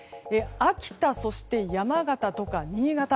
秋田、そして山形とか新潟